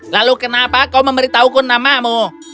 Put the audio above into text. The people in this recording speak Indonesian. lalu kenapa kau memberitahuku namamu